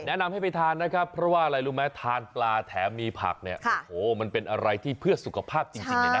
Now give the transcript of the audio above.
แนะนำให้ไปทานนะครับเพราะว่าอะไรรู้ไหมทานปลาแถมมีผักเนี่ยโอ้โหมันเป็นอะไรที่เพื่อสุขภาพจริงเลยนะ